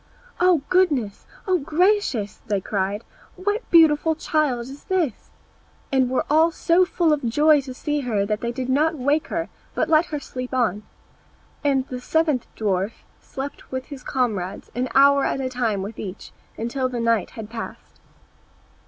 "O goodness! O gracious!" cried they, "what beautiful child is this?" and were so full of joy to see her that they did not wake her, but let her sleep on. And the seventh dwarf slept with his comrades, an hour at a time with each, until the night had passed.